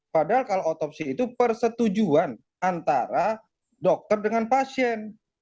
padahal kalau otopsi itu persetujuan antara dokter dengan pasien